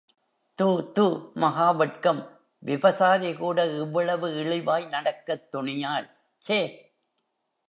தூ தூ மகாவெட்கம், விபசாரி கூட இவ்வளவு இழிவாய் நடக்கத் துணியாள் சே!